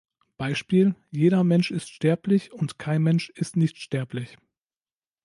Beispiel: "Jeder Mensch ist sterblich" und "Kein Mensch ist nicht sterblich".